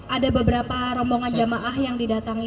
ada beberapa rombongan jamaah yang didatangi